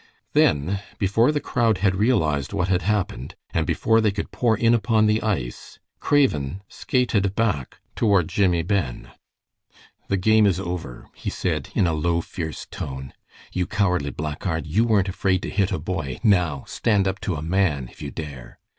Then, before the crowd had realized what had happened, and before they could pour in upon the ice, Craven skated back toward Jimmie Ben. "The game is over," he said, in a low, fierce tone. "You cowardly blackguard, you weren't afraid to hit a boy, now stand up to a man, if you dare."